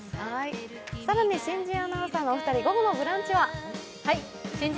更に新人アナウンサーのお二人午後の「ブランチ」は？